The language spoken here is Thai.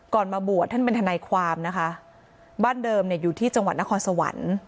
มาบวชท่านเป็นทนายความนะคะบ้านเดิมเนี่ยอยู่ที่จังหวัดนครสวรรค์